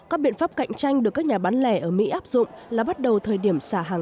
các biện pháp cạnh tranh được các nhà bán lẻ ở mỹ áp dụng là bắt đầu thời điểm xả hàng